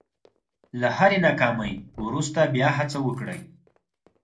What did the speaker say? له هرې ناکامۍ وروسته بیا هڅه وکړئ.